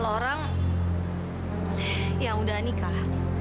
terima kasih pak